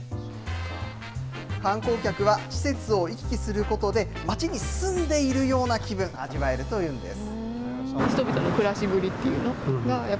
観光客は施設を行き来することで、町に住んでいるような気分味わえるというんです。